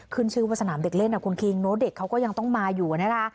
ขึ้นชื่อว่าสนามเด็กเล่นนะคุณคิงเนอะเด็กเขาก็ยังต้องมาอยู่นะคะ